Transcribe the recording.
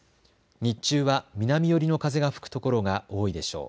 日中は南寄りの風が吹くところが多いでしょう。